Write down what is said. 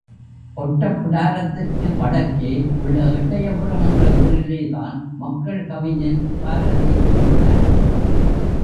ஒட்டப்பிடாரத்திற்கு வடக்கே உள்ள எட்டையபுரம் என்ற ஊரிலேதான், மக்கள் கவிஞன் பாரதி தோன்றினார்.